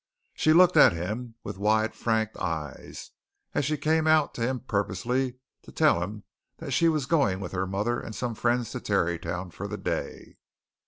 She looked at him with wide frank eyes as she came out to him purposely to tell him that she was going with her mother and some friends to Tarrytown for the day.